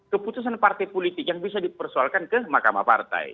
keputusan partai politik yang bisa dipersoalkan ke mahkamah partai